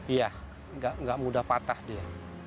iya nggak mudah patah dia